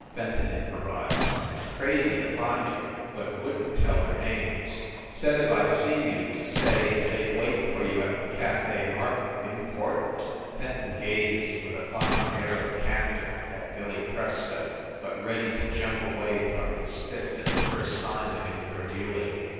Fenton improvised. "Crazy to find you. But wouldn t tell their names. Said if I see you to say they d wait for you at the Cafe Martin. Important!" Fenton gazed, with a fine air of candor, at Billy Presto, but ready to jump away from his fist at the first sign of incre dulity.